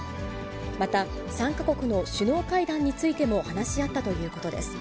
また、３か国の首脳会談についても話し合ったということです。